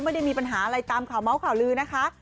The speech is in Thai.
ไม่ได้มีปัญหาอะไรตามข่าวเมาส์ข่าวลือนะคะ